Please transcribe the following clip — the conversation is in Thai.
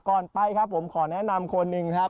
ไปครับผมขอแนะนำคนหนึ่งครับ